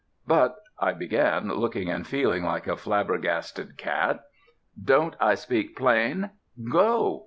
"But " I began, looking and feeling like a flabbergasted cat. "Don't I speak plain? Go!"